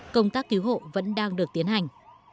công tác cứu hộ vẫn đang được tiến hành